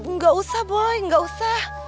engga usah boy engga usah